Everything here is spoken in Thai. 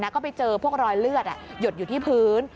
ก็ไปเจอพวกรอยเลือดหยดอยู่ที่พื้น